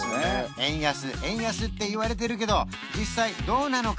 円安円安っていわれてるけど実際どうなのか？